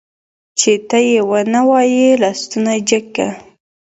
چې ته يې ونه وايي لستوڼی جګ که.